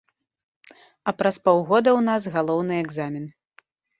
А праз паўгода ў нас галоўны экзамен.